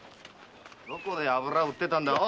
どこで油売ってたんだ？